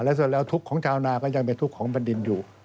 แล้วเสร็จแล้วทุกข์ของชาวนาก็ยังเป็นทุกข์ของแผ่นดินอยู่